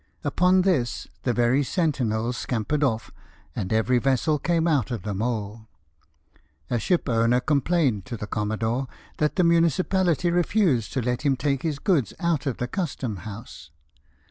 Upon this the very sentinels scampered off, and every vessel came out of the mole. A ship owner complained to the commodore that the municipality refused to let him take his goods out of the Custom House.